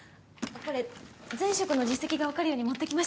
これ前職の実績がわかるように持ってきました。